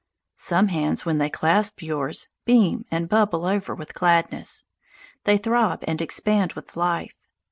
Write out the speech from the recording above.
Some hands, when they clasp yours, beam and bubble over with gladness. They throb and expand with life.